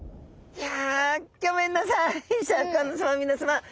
いや。